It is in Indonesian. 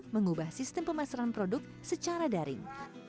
mengubah sistem pemasaran produk secara daring